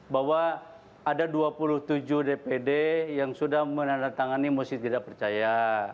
bahwa ada dua puluh tujuh dpd yang sudah menandatangani musik tidak percaya